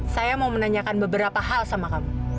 saya mau menanyakan beberapa hal sama kamu